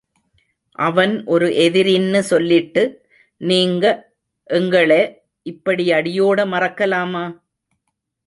அவன் ஒரு எதிரின்னு சொல்லிட்டு நீங்க எங்களெ இப்படி அடியோட மறக்கலாமா?